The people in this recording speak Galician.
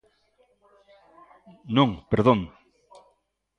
¡Non, perdón!